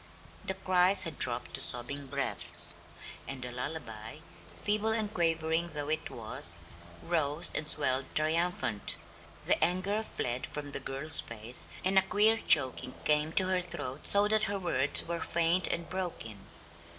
The cries had dropped to sobbing breaths, and the lullaby, feeble and quavering though it was, rose and swelled triumphant. The anger fled from the girl's face, and a queer choking came to her throat so that her words were faint and broken.